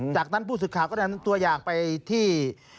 จากนั้นผู้สื่อข่าวก็ได้นำตัวอย่างไปที่